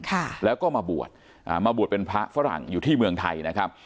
ค่ะแล้วก็มาบวชอ่ามาบวชเป็นพระฝรั่งอยู่ที่เมืองไทยนะครับ